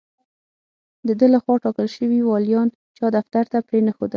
د ده له خوا ټاکل شوي والیان چا دفتر ته پرې نه ښودل.